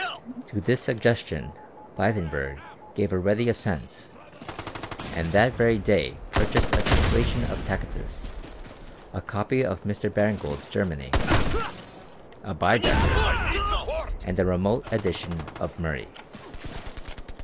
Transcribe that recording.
To this suggestion Blydenburg gave a ready assent and that very day purchased a translation of Tacitus, a copy of Mr. Baring Gould's Germany, a Baedeker, and a remote edition of Murray.